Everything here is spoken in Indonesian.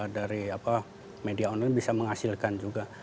dari media online bisa menghasilkan juga